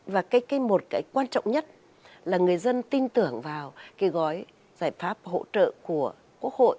và một cái quan trọng nhất là người dân tin tưởng vào cái gói giải pháp hỗ trợ của quốc hội